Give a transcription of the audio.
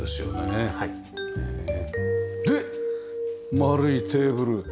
丸いテーブル。